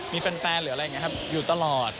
มีแฟนหรืออะไรอย่างนี้ครับอยู่ตลอด